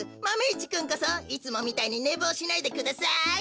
マメ１くんこそいつもみたいにねぼうしないでください。